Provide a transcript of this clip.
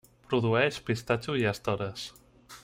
Produeix pistatxo i estores.